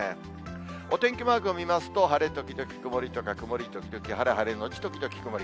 お天気マークを見ますと、晴れ時々曇りとか曇り時々晴れ、晴れ後時々曇り。